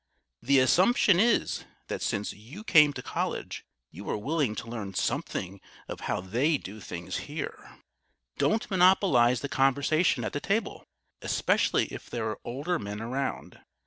The assumption is, that since you came to College, you are willing to learn something of how they do things here. [Sidenote: LISTENING TO OTHERS] Don't monopolize the conversation at the table, especially if there are older men around.